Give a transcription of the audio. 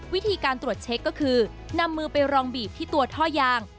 วิธีการตรวจเช็คก็คือนำมือไปรองบีบที่ตัวท่อยาง